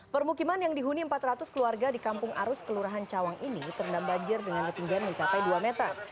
permukiman yang dihuni empat ratus keluarga di kampung arus kelurahan cawang ini terendam banjir dengan ketinggian mencapai dua meter